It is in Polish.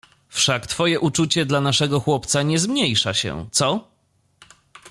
"Wszak twoje uczucie dla naszego chłopca nie zmniejsza się, co?"